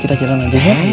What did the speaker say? kita jalan aja kang